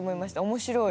面白い。